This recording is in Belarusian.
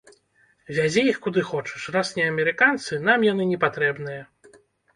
Вязі іх куды хочаш, раз не амерыканцы, нам яны не патрэбныя.